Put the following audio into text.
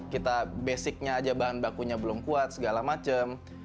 kita basicnya aja bahan bakunya belum kuat segala macam